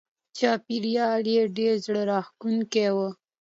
چاپېریال یې ډېر زړه راښکونکی و.